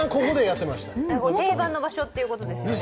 定番の場所ということですよね。